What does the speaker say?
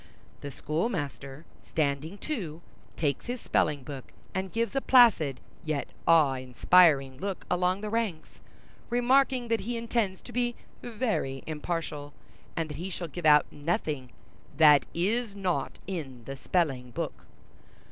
The schoolmaster, standing too, takes his spelling book, and gives a placid yet awe inspiring look along the ranks, remarking that he intends to be very impartial, and that he shall give out nothing that is not in the spelling book.